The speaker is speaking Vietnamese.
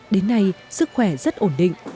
đến nay sức khỏe rất ổn định